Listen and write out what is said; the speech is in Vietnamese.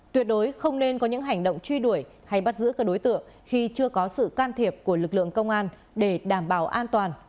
tuyệt đối không nên có những hành động truy đuổi hay bắt giữ các đối tượng khi chưa có sự can thiệp của lực lượng công an để đảm bảo an toàn